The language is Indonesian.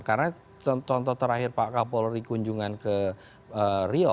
karena contoh terakhir pak kapolri kunjungan ke rio